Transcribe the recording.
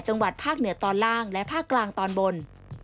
จังหวัดภาคเหนือตอนล่างและภาคกลางตอนบน